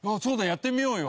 やってみようよ。